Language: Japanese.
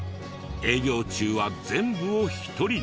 営業中は全部を１人で。